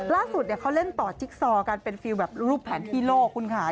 ล่าสุดเขาเล่นต่อจิ๊กซอกันเป็นฟิลแบบรูปแผนที่โลกคุณค่ะ